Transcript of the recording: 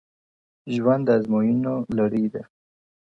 ژوند د ازموينو لړۍ ده,